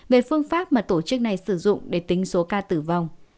về phương pháp mà tổ chức này sử dụng để tính số ca tử vong